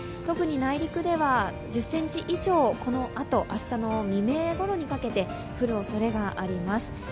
特に内陸では、１０ｃｍ以上、このあと、明日の未明ごろにかけて降るおそれがあります。